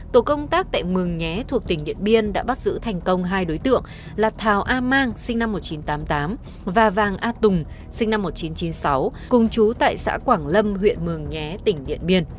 tổ công tác tại mường nhé thuộc tỉnh điện biên đã bắt giữ thành công hai đối tượng là thảo a mang sinh năm một nghìn chín trăm tám mươi tám và vàng a tùng sinh năm một nghìn chín trăm chín mươi sáu cùng chú tại xã quảng lâm huyện mường nhé tỉnh điện biên